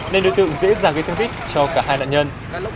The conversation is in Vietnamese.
nên đối tượng dễ dàng gây thương tích cho cả hai nạn nhân